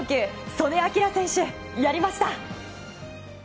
素根輝選手、やりました。